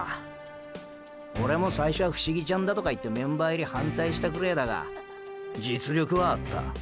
オレも最初はフシギちゃんだとか言ってメンバー入り反対したくれぇだが実力はあった。